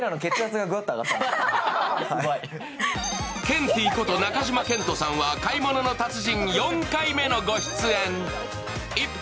ケンティーこと中島健人さんは「買い物の達人」４回目のご出演。